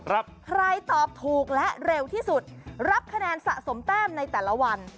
ใครตอบถูกและเร็วที่สุดรับคะแนนสะสมแต้มในแต่ละวัน